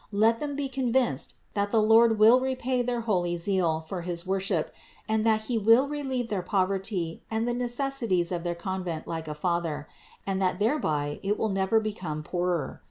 Let them be con vinced that the Lord will repay their holy zeal for his worship, and that He will relieve their poverty and the necessities of their convent like a Father, and that thereby it will never become poorer.